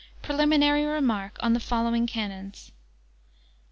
Preliminary Remark on the following Canons.